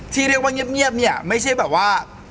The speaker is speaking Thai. ที่เรียกว่าเงียบเนี่ยไม่ใช่แบบว่า